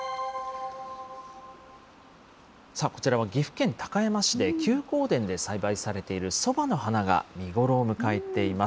さあ、こちらは岐阜県高山市で、休耕田で栽培されているそばの花が見頃を迎えています。